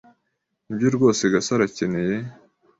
Nibyo rwose Gasaro akeneye.